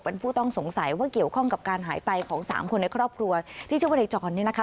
เป็นผู้ต้องสงสัยว่าเกี่ยวข้องกับการหายไปของสามคนในครอบครัวที่ชื่อว่าในจรเนี่ยนะคะ